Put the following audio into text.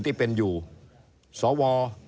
ที่เป็นอยู่สว